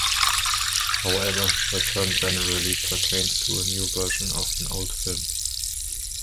However, the term generally pertains to a new version of an old film.